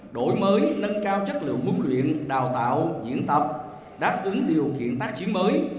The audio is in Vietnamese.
đổi mới nâng cao chất lượng huấn luyện đào tạo diễn tập đáp ứng điều kiện tác chiến mới